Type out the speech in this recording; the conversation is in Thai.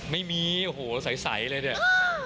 ไม่มีโอ้โหใสเลยเนี่ย